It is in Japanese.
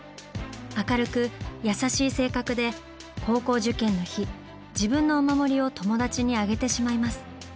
明るく優しい性格で高校受験の日自分のお守りを友達にあげてしまいます。